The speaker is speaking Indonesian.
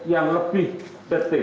kipad msi telah memiliki